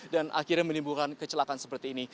dan akhirnya menimbulkan kecelakaan seperti ini